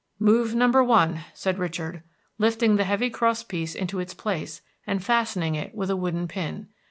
"Move number one," said Richard, lifting the heavy cross piece into its place and fastening it with a wooden pin.